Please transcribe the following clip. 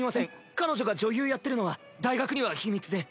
彼女が女優やってるのは大学には秘密で。